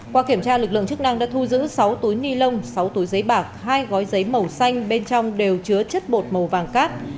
qua kiểm tra lực lượng chức năng đã thu giữ sáu túi ni lông sáu túi giấy bạc hai gói giấy màu xanh bên trong đều chứa chất bột màu vàng cát